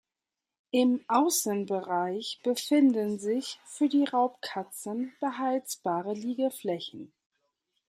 Im Außenbereich befinden sich für die Raubkatzen beheizbare Liegeflächen.